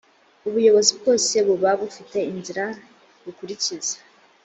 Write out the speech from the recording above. ubuyobozi bwose buba bufite inzira bukurikiza.